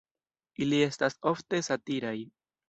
Ili estas ofte satiraj.